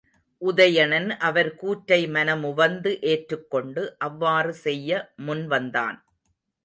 உதயணன் அவர் கூற்றை மனமுவந்து ஏற்றுக்கொண்டு அவ்வாறு செய்ய முன்வந்தான்.